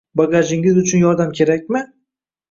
Bagajingiz uchun yordam kerakmi?